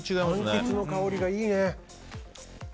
かんきつの香りがいいね。